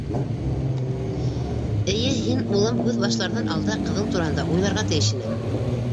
Эйе, һин, улым, һүҙ башларҙан алда ҡыҙың тураһында уйларға тейеш инең.